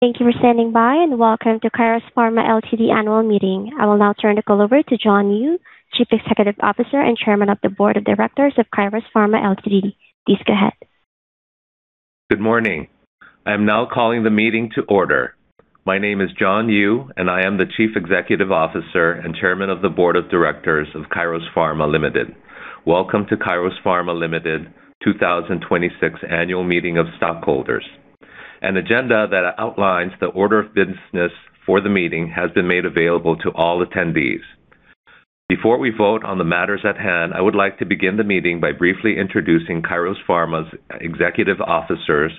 Thank you for standing by, welcome to Kairos Pharma, Ltd. annual meeting. I will now turn the call over to John Yu, Chief Executive Officer and Chairman of the Board of Directors of Kairos Pharma, Ltd. Please go ahead. Good morning. I am now calling the meeting to order. My name is John Yu, I am the Chief Executive Officer and Chairman of the Board of Directors of Kairos Pharma, Ltd. Welcome to Kairos Pharma, Ltd. 2026 Annual Meeting of Stockholders. An agenda that outlines the order of business for the meeting has been made available to all attendees. Before we vote on the matters at hand, I would like to begin the meeting by briefly introducing Kairos Pharma's executive officers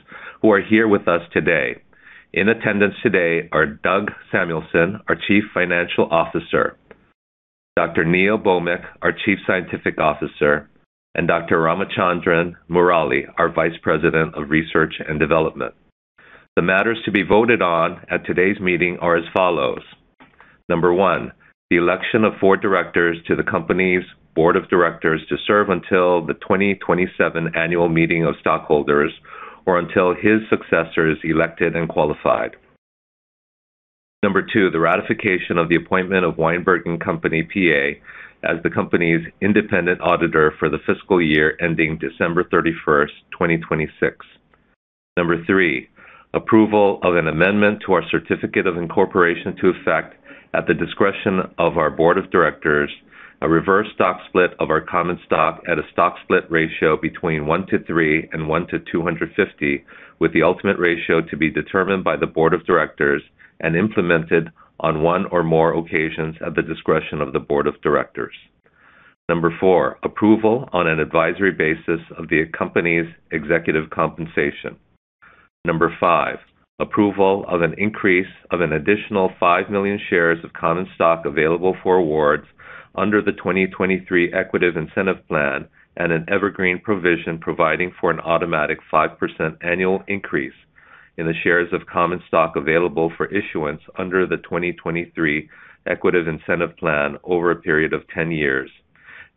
who are here with us today. In attendance today are Doug Samuelson, our Chief Financial Officer, Dr. Neil Bhowmick, our Chief Scientific Officer, Dr. Ramachandran Murali, our Vice President of Research and Development. The matters to be voted on at today's meeting are as follows. Number one, the election of four directors to the company's board of directors to serve until the 2027 annual meeting of stockholders or until his successor is elected and qualified. Number two, the ratification of the appointment of Weinberg & Company, P.A., as the company's independent auditor for the fiscal year ending December 31st, 2026. Number three, approval of an amendment to our certificate of incorporation to effect at the discretion of our board of directors, a reverse stock split of our common stock at a stock split ratio between 1:3 and 1:250, with the ultimate ratio to be determined by the board of directors and implemented on one or more occasions at the discretion of the board of directors. Number four, approval on an advisory basis of the company's executive compensation. Number five, approval of an increase of an additional 5 million shares of common stock available for awards under the 2023 Equity Incentive Plan an evergreen provision providing for an automatic 5% annual increase in the shares of common stock available for issuance under the 2023 Equity Incentive Plan over a period of 10 years.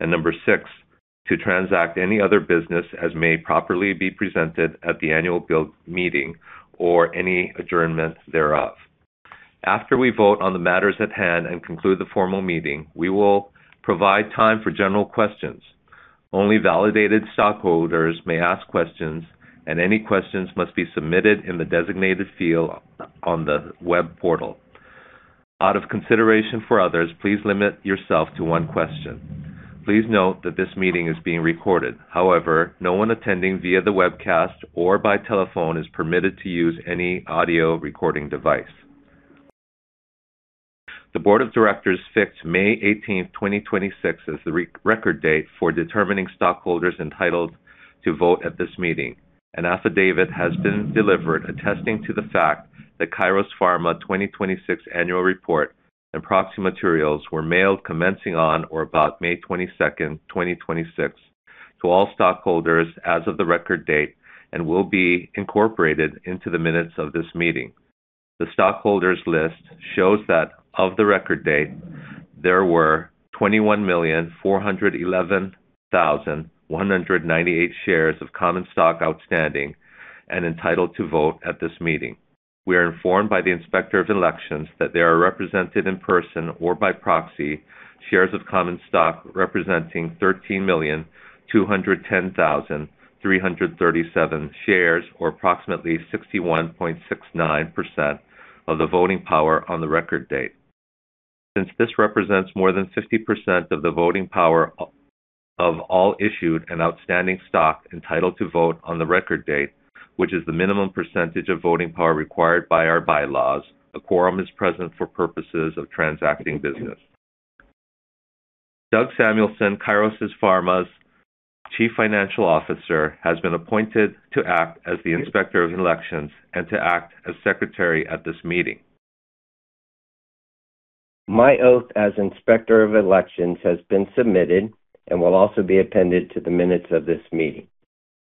Number six, to transact any other business as may properly be presented at the annual meeting or any adjournment thereof. After we vote on the matters at hand and conclude the formal meeting, we will provide time for general questions. Only validated stockholders may ask questions, any questions must be submitted in the designated field on the web portal. Out of consideration for others, please limit yourself to one question. Please note that this meeting is being recorded. However, no one attending via the webcast or by telephone is permitted to use any audio recording device. The board of directors fixed May 18th, 2026, as the record date for determining stockholders entitled to vote at this meeting. An affidavit has been delivered attesting to the fact that Kairos Pharma 2026 annual report and proxy materials were mailed commencing on or about May 22nd, 2026, to all stockholders as of the record date and will be incorporated into the minutes of this meeting. The stockholders list shows that of the record date, there were 21,411,198 shares of common stock outstanding and entitled to vote at this meeting. We are informed by the Inspector of Elections that they are represented in person or by proxy, shares of common stock representing 13,210,337 shares, or approximately 61.69% of the voting power on the record date. Since this represents more than 50% of the voting power of all issued and outstanding stock entitled to vote on the record date, which is the minimum percentage of voting power required by our bylaws, a quorum is present for purposes of transacting business. Doug Samuelson, Kairos Pharma's Chief Financial Officer, has been appointed to act as the Inspector of Elections and to act as Secretary at this meeting. My oath as Inspector of Elections has been submitted and will also be appended to the minutes of this meeting.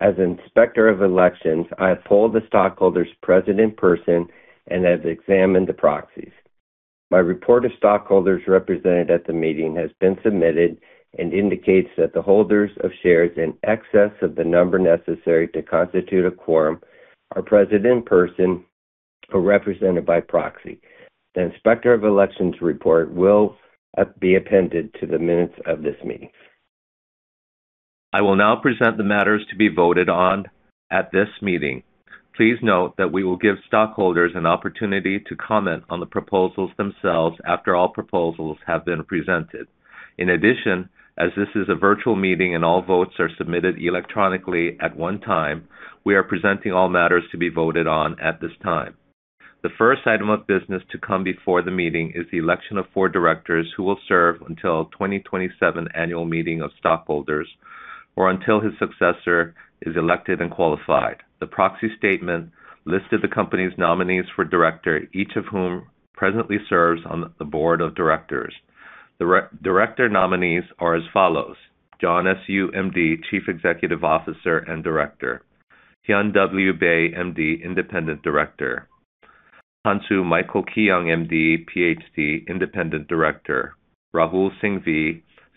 As Inspector of Elections, I have polled the stockholders present in person and have examined the proxies. My report of stockholders represented at the meeting has been submitted and indicates that the holders of shares in excess of the number necessary to constitute a quorum are present in person or represented by proxy. The Inspector of Elections report will be appended to the minutes of this meeting. I will now present the matters to be voted on at this meeting. Please note that we will give stockholders an opportunity to comment on the proposals themselves after all proposals have been presented. In addition, as this is a virtual meeting and all votes are submitted electronically at one time, we are presenting all matters to be voted on at this time. The first item of business to come before the meeting is the election of four directors who will serve until 2027 annual meeting of stockholders, or until his successor is elected and qualified. The proxy statement listed the company's nominees for director, each of whom presently serves on the board of directors. The director nominees are as follows. John S. Yu, MD, Chief Executive Officer and Director. Hyun W. Bae, MD, Independent Director. Hansoo Michael Keyoung, MD, PhD, Independent Director. Rahul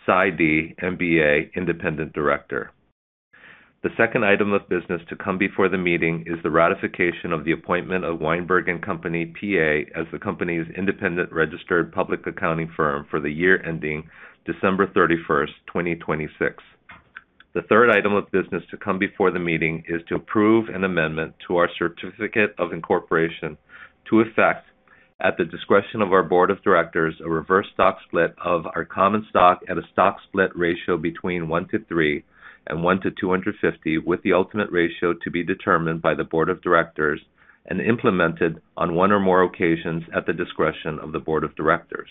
Singhvi, PhD, MBA, Independent Director The second item of business to come before the meeting is the ratification of the appointment of Weinberg & Company, P.A., as the company's independent registered public accounting firm for the year ending December 31st, 2026. The third item of business to come before the meeting is to approve an amendment to our certificate of incorporation to effect, at the discretion of our board of directors, a reverse stock split of our common stock at a stock split ratio between 1:3 and 1:250, with the ultimate ratio to be determined by the board of directors and implemented on one or more occasions at the discretion of the board of directors.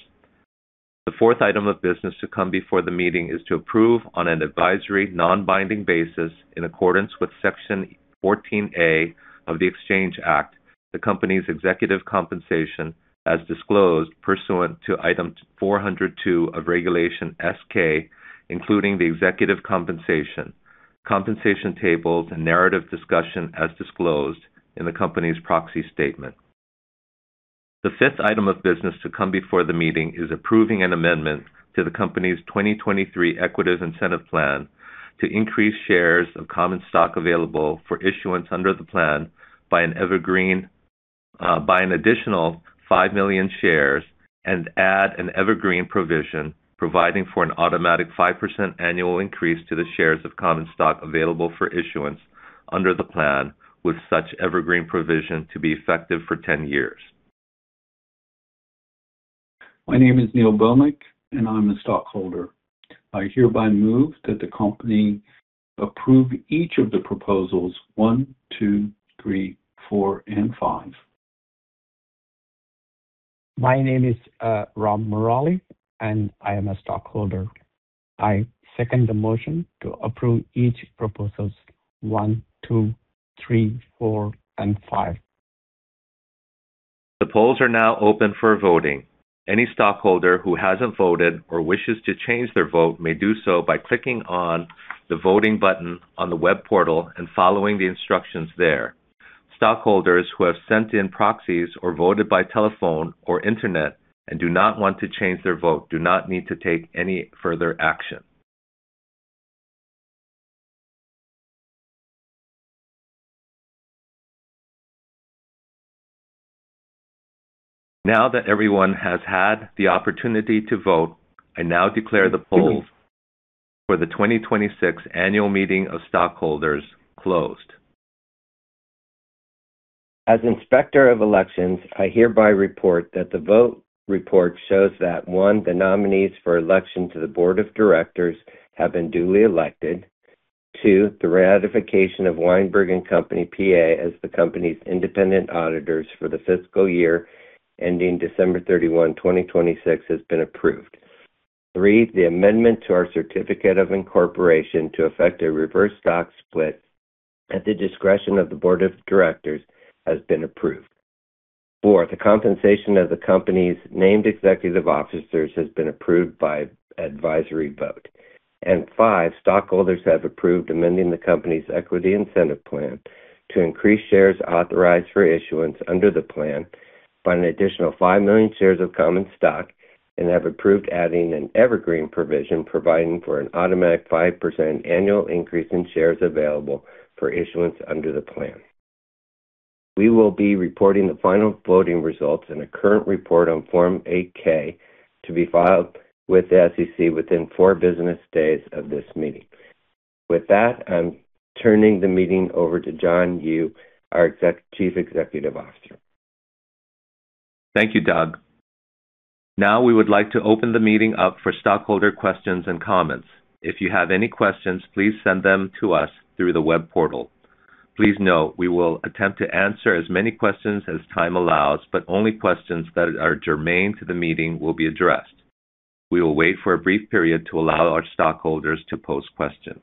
The fourth item of business to come before the meeting is to approve on an advisory, non-binding basis, in accordance with Section 14A of the Exchange Act, the company's executive compensation as disclosed pursuant to Item 402 of Regulation S-K, including the executive compensation tables and narrative discussion as disclosed in the company's proxy statement. The fifth item of business to come before the meeting is approving an amendment to the company's 2023 Equity Incentive Plan to increase shares of common stock available for issuance under the plan by an additional 5 million shares and add an evergreen provision providing for an automatic 5% annual increase to the shares of common stock available for issuance under the plan, with such evergreen provision to be effective for 10 years. My name is Neil Bhowmick, I'm a stockholder. I hereby move that the company approve each of the Proposals 1, 2, 3, 4, and 5. My name is Ram Murali, I am a stockholder. I second the motion to approve each Proposals 1, 2, 3, 4, and 5. The polls are now open for voting. Any stockholder who hasn't voted or wishes to change their vote may do so by clicking on the voting button on the web portal and following the instructions there. Stockholders who have sent in proxies or voted by telephone or internet and do not want to change their vote do not need to take any further action. Now that everyone has had the opportunity to vote, I now declare the polls for the 2026 annual meeting of stockholders closed. As Inspector of Elections, I hereby report that the vote report shows that, one, the nominees for election to the board of directors have been duly elected. Two, the ratification of Weinberg & Company, P.A., as the company's independent auditors for the fiscal year ending December 31, 2026, has been approved. Three, the amendment to our certificate of incorporation to effect a reverse stock split at the discretion of the board of directors has been approved. Four, the compensation of the company's named executive officers has been approved by advisory vote. Five, stockholders have approved amending the company's Equity Incentive Plan to increase shares authorized for issuance under the plan by an additional 5 million shares of common stock and have approved adding an evergreen provision providing for an automatic 5% annual increase in shares available for issuance under the plan. We will be reporting the final voting results in a current report on Form 8-K to be filed with the SEC within four business days of this meeting. With that, I'm turning the meeting over to John Yu, our Chief Executive Officer. Thank you, Doug. Now we would like to open the meeting up for stockholder questions and comments. If you have any questions, please send them to us through the web portal. Please note we will attempt to answer as many questions as time allows, but only questions that are germane to the meeting will be addressed. We will wait for a brief period to allow our stockholders to pose questions